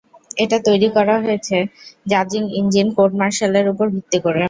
এটা তৈরি করা হয়েছে জাজিং ইঞ্জিন কোড মার্শালের ওপর ভিত্তি করে।